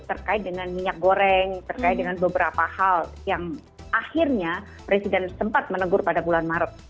terkait dengan minyak goreng terkait dengan beberapa hal yang akhirnya presiden sempat menegur pada bulan maret